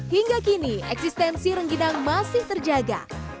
hingga kini eksistensi rengginang masih terjaga